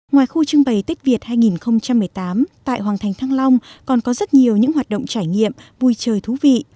ngoài khu trưng bày tết việt hai nghìn một mươi tám tại hoàng thành thăng long còn có rất nhiều những hoạt động trải nghiệm vui chơi thú vị